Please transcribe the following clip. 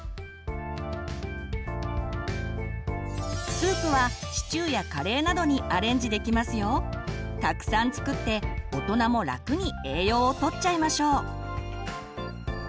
スープはたくさん作って大人も楽に栄養をとっちゃいましょう。